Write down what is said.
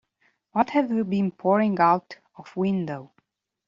What have you been pouring out of window?